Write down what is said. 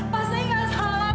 pak saya gak salah